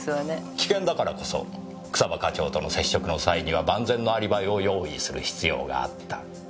危険だからこそ草葉課長との接触の際には万全のアリバイを用意する必要があった。